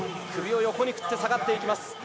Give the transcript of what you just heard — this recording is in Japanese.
首を横に振って下がっていきます。